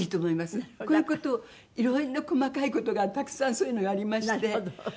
こういう事をいろんな細かい事がたくさんそういうのがありまして。